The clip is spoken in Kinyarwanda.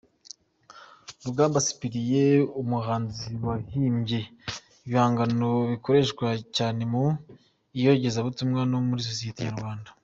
Rugamba Cyprien: Umuhanzi wahimbye ibihangano bikoreshwa cyane mu iyogezabutumwa no muri Sosiyete Nyarwanda.